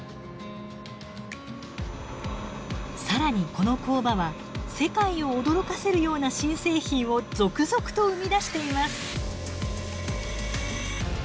更にこの工場は世界を驚かせるような新製品を続々と生み出しています。